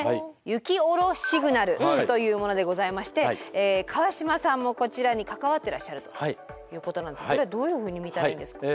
「雪おろシグナル」というものでございまして河島さんもこちらに関わってらっしゃるということなんですがこれはどういうふうに見たらいいんですか？